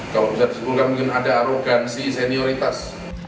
kalau bisa disebutkan mungkin ada arogansi senioritas